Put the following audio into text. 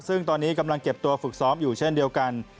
ซึ่งตอนนี้กำลังเก็บตัวฝึกซ้อมอยู่เช่นเดียวกัน